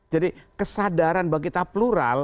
jadi kesadaran bagi kita plural